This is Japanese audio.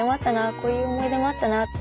こういう思い出もなったなって。